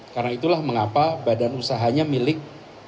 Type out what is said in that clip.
karena itulah mengapa badan usahanya milik